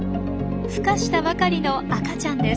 ふ化したばかりの赤ちゃんです。